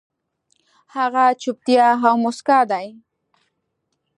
هغه چوپتيا او موسکا دي